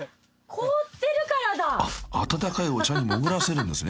［あっ温かいお茶に潜らせるんですね］